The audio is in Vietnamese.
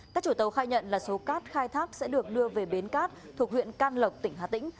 các chủ tàu khai nhận là số cát khai thác sẽ được đưa về bến cát thuộc huyện can lộc tỉnh hà tĩnh